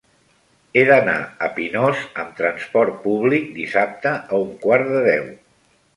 He d'anar a Pinós amb trasport públic dissabte a un quart de deu.